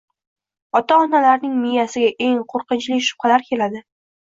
Ota-onalarning miyasiga eng ko‘rqinchli shubhalar keladi.